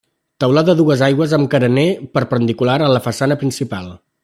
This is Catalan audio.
Teulada a dues aigües amb carener perpendicular a la façana principal.